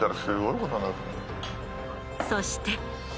そして。